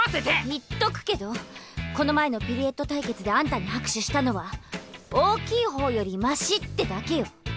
言っとくけどこの前のピルエット対決であんたに拍手したのは大きい方よりましってだけよ。